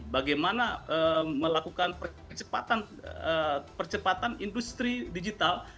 bagaimana melakukan percepatan industri digital